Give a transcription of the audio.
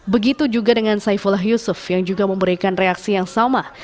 begitu juga dengan saifullah yusuf yang juga memberikan reaksi yang sama